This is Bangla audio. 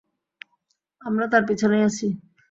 আমরা তার পিছনেই আছি।